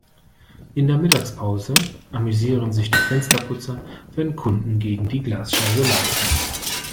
In der Mittagspause amüsieren sich die Fensterputzer, wenn Kunden gegen die Glasscheibe laufen.